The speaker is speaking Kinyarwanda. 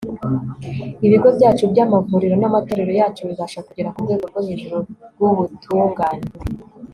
ibigo byacu by'amavuriro n'amatorero yacu bibasha kugera ku rwego rwo hejuru rw'ubutungane